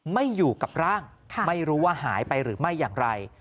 ไม่อยู่กับร่างไม่รู้ว่าหายไปหรือไม่อย่างไร